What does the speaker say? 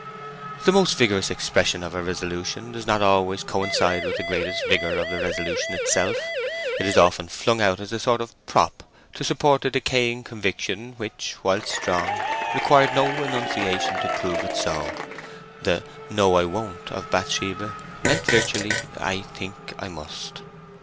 The most vigorous expression of a resolution does not always coincide with the greatest vigour of the resolution itself. It is often flung out as a sort of prop to support a decaying conviction which, whilst strong, required no enunciation to prove it so. The "No, I won't" of Bathsheba meant virtually, "I think I must."